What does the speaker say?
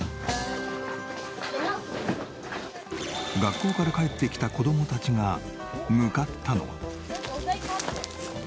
学校から帰ってきた子供たちが向かったのは？